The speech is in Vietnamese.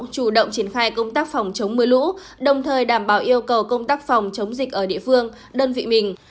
chủ động triển khai công tác phòng chống mưa lũ đồng thời đảm bảo yêu cầu công tác phòng chống dịch ở địa phương đơn vị mình